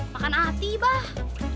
makan hati abah